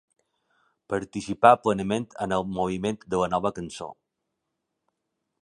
Participà plenament en el moviment de la Nova Cançó.